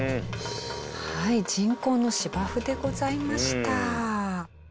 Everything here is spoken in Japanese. はい人工の芝生でございました。